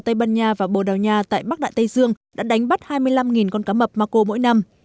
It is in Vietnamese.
tây ban nha và bồ đào nha tại bắc đại tây dương đã đánh bắt hai mươi năm con cá mập mako mỗi năm